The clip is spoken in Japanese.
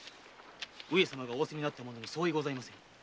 上様が仰せになった者に相違ございません。